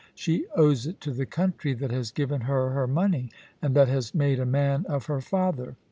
She owes it to the country that has given her her money, and that has made a man of her father.